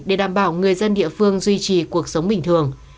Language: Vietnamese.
để đảm bảo người dân địa phương duy trì cuộc sống bình thường